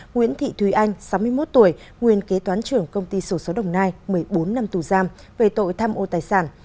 nguyễn thị thùy anh sáu mươi một tuổi nguyên kế toán trưởng công ty sổ số đồng nai một mươi bốn năm tù giam về tội tham ô tài sản